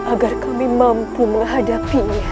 agar kami mampu menghadapinya